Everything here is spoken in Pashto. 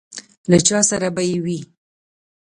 له چا سره به یې وي.